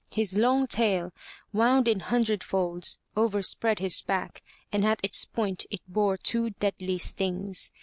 His long tail, wound in hundred folds, overspread his back and at its point it bore two deadly stings.